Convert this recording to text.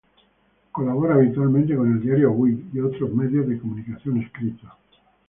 Colabora habitualmente con el diario "Avui" y otros medios de comunicación escritos.